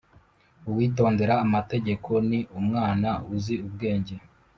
uwitondera amategeko ni umwana uzi ubwenge